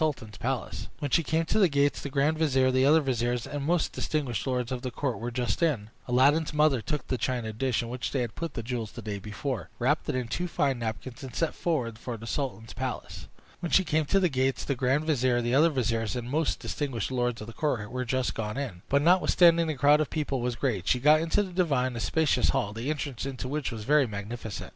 page 27 From the painting by Edmund Dulac] Aladdin's mother took the china dish, in which they had put the jewels the day before, wrapped it in two fine napkins, and set forward for the sultan's palace. When she came to the gates, the grand vizier, the other viziers, and most distinguished lords of the court were just gone in; but notwithstanding the crowd of people was great, she got into the divan, a spacious hall, the entrance into which was very magnificent.